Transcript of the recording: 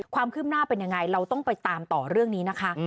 ความคืบหน้าเป็นยังไงเราต้องไปตามต่อเรื่องนี้นะคะ